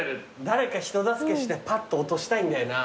誰か人助けしてぱっと落としたいんだよな。